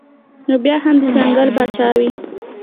خو بيا هم د ځنګل باچا وي